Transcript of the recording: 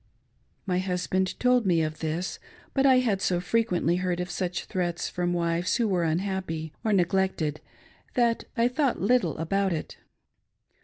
My husband told me of this, but I had so frequently heard such 'threats from wives who were unhappy or neglected that I thought little about it.